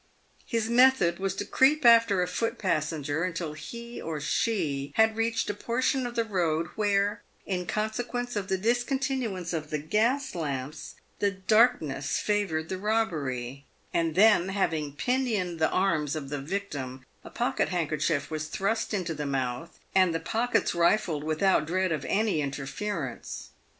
His method was to creep after a foot passenger until he or' she had reached a portion of the road where, in consequence of the discontinuance of the gas lamps, the darkness favoured the robbery ; and then, having pinioned the arms of the victim, a pocket handkerchief was thrust into the mouth, and the pockets rifled without dread of anyinterference.